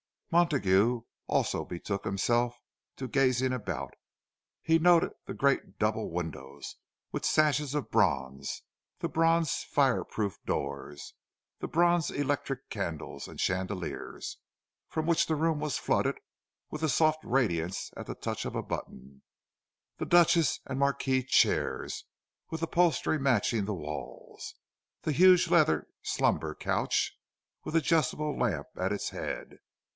Montague also betook himself to gazing about. He noted the great double windows, with sashes of bronze; the bronze fire proof doors; the bronze electric candles and chandeliers, from which the room was flooded with a soft radiance at the touch of a button; the "duchesse" and "marquise" chairs, with upholstery matching the walls; the huge leather "slumber couch," with adjustable lamp at its head.